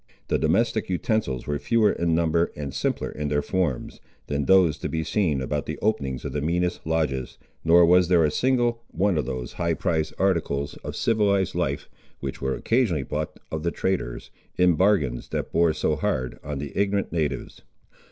The domestic utensils were fewer in number and simpler in their forms, than those to be seen about the openings of the meanest lodges, nor was there a single one of those high prized articles of civilised life, which were occasionally bought of the traders, in bargains that bore so hard on the ignorant natives.